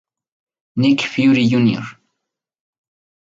Nick Fury Jr.